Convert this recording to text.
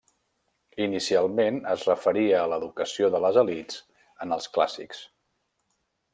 Inicialment es referia a l'educació de les elits en els clàssics.